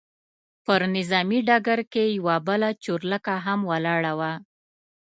پر نظامي ډګر کې یوه بله چورلکه هم ولاړه وه.